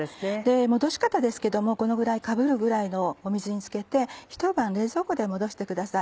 もどし方ですけどもこのぐらいかぶるぐらいの水につけてひと晩冷蔵庫でもどしてください。